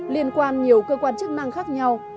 liên quan nhiều cơ quan chức năng khác nhau